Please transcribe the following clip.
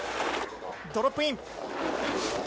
ドロップイン。